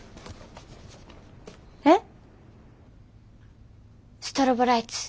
えっ！？